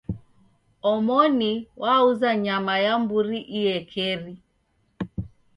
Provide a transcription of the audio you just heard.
Omoni wauza nyama ya mburi iekeri.